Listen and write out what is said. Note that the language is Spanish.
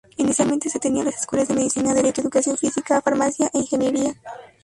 Inicialmente se tenían las escuelas de Medicina, Derecho, Educación Física, Farmacia e Ingeniería.